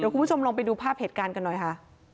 คุณผู้ชมลองไปดูภาพเหตุการณ์กันหน่อยค่ะ